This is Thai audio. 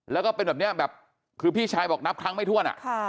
แล้วก็เป็นแบบนี้แบบคือพี่ชายบอกนับครั้งไม่ถ้วน